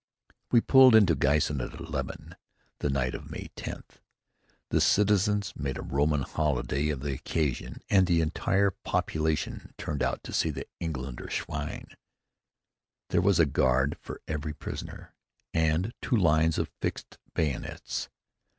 We pulled into Giessen at eleven, the night of May tenth. The citizens made a Roman holiday of the occasion and the entire population turned out to see the Engländer Schwein. There was a guard for every prisoner, and two lines of fixed bayonets.